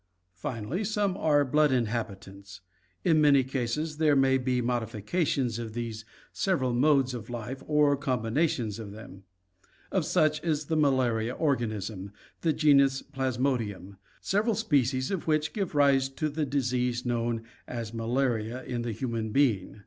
Finally, some are blood inhabitants. In many cases there may be modifications of these several modes of life or combinations of them. Of such is the malaria organism, the genus Plasmodium, several species of which give rise to the disease known as malaria in the human being.